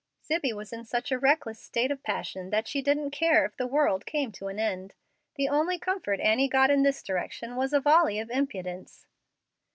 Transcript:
Zibbie was in such a reckless state of passion that she didn't care if the world came to an end. The only comfort Annie got in this direction was a volley of impudence.